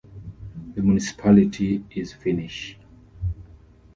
The municipality is Finnish.